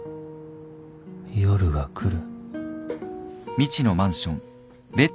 夜が来る